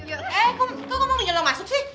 eh kok lo mau menyelam masuk sih